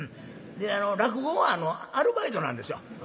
で落語はアルバイトなんですよ。